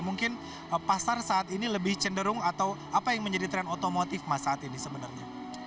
mungkin pasar saat ini lebih cenderung atau apa yang menjadi tren otomotif mas saat ini sebenarnya